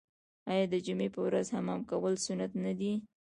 آیا د جمعې په ورځ حمام کول سنت نه دي؟